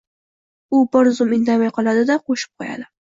U bir zum indamay qoladi-da, qo‘shib qo‘yadi.